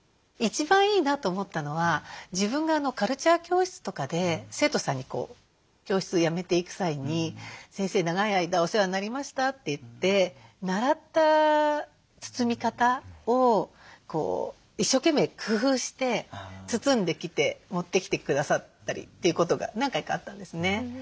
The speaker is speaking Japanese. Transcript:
一番いいなと思ったのは自分がカルチャー教室とかで生徒さんに教室を辞めていく際に「先生長い間お世話になりました」と言って習った包み方を一生懸命工夫して包んできて持ってきてくださったりということが何回かあったんですね。